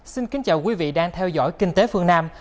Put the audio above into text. xin kính chào quý vị đang theo dõi kinh tế phương nam